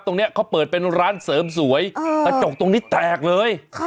ตรงนี้เขาเปิดเป็นร้านเสริมสวยกระจกตรงนี้แตกเลย